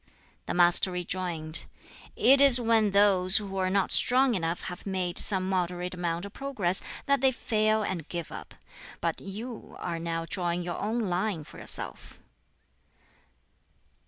The Master rejoined, "It is when those who are not strong enough have made some moderate amount of progress that they fail and give up; but you are now drawing your own line for yourself."